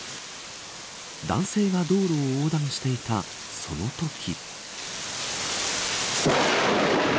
男性が道路を横断していたそのとき。